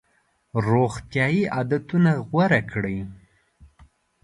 روغتیایي عادتونه غوره کړئ.